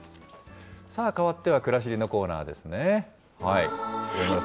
さあ、かわっては、くらしりのコーナーですね。